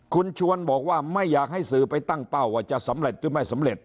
คุณชวนบอกว่าไม่อยากให้สื่อไปตั้งเป้าว่าจะสำเร็จหรือไม่สำเร็จ